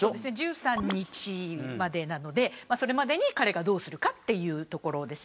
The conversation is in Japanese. １３日までなのでそれまでに彼がどうするかというところです。